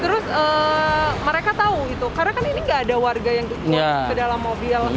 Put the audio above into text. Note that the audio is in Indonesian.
terus mereka tahu gitu karena kan ini nggak ada warga yang ke dalam mobil